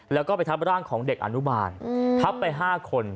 แล้วก็ไปทับร่างของเด็กอนุบาลทับไป๕คน